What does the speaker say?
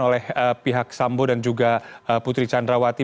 oleh pihak sambo dan juga putri candrawati